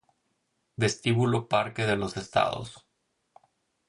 Vestíbulo Parque de los Estados